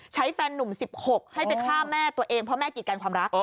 แฟนนุ่ม๑๖ให้ไปฆ่าแม่ตัวเองเพราะแม่กิดกันความรัก